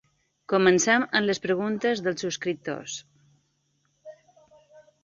Comencem amb les preguntes dels subscriptors.